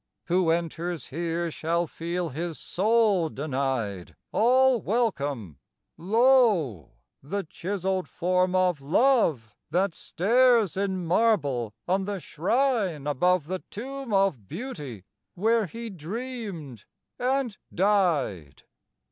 Who enters here shall feel his soul denied All welcome: lo! the chiselled form of Love, That stares in marble on the shrine above The tomb of Beauty, where he dreamed and died!